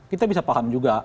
kita bisa paham juga